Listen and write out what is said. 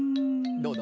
どうだ？